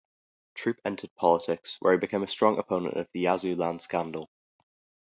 Troup entered politics, where he became a strong opponent of the Yazoo land scandal.